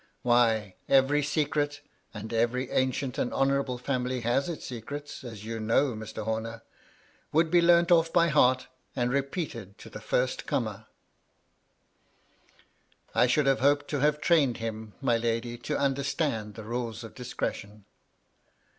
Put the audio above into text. Why, every secret (and every ancient and honourable family has its secrets, as you know, Mr. Homer !) would be leamt off by heart, and repeated to the first comer 1" " I should have hoped to have trained him, my lady, to understand the rules of discretion."